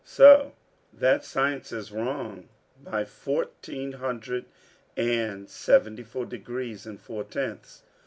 "So that science is wrong by fourteen hundred and seventy four degrees and four tenths.